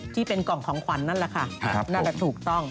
ที่เป็นกล่องของขวัญนั่นแหละค่ะนั่นแหละถูกต้อง